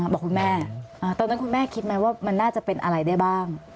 บอกคุณแม่ตอนนั้นคุณแม่คิดไหมว่ามันน่าจะเป็นอะไรได้บ้าง